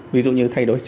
ví dụ như thay đổi sim